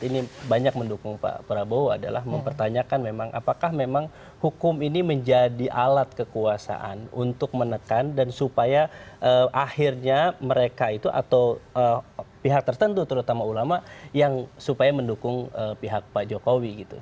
ini banyak mendukung pak prabowo adalah mempertanyakan memang apakah memang hukum ini menjadi alat kekuasaan untuk menekan dan supaya akhirnya mereka itu atau pihak tertentu terutama ulama yang supaya mendukung pihak pak jokowi gitu